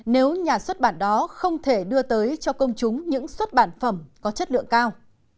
nếu nhà xuất bản đó không thể đưa tới cho công chúng những xuất bản phẩm có chất lượng cao